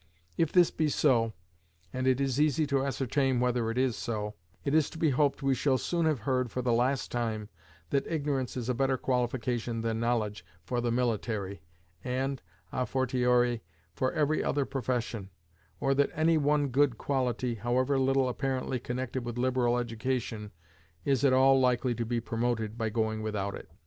If this be so, and it is easy to ascertain whether it is so, it is to be hoped we shall soon have heard for the last time that ignorance is a better qualification than knowledge for the military, and, à fortiori, for every other profession, or that any one good quality, however little apparently connected with liberal education, is at all likely to be promoted by going without it.